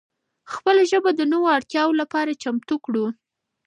خپله ژبه د نوو اړتیاو لپاره چمتو کړو.